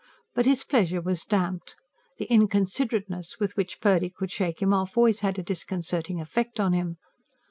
But his pleasure was damped: the inconsiderateness with which Purdy could shake him off, always had a disconcerting effect on him.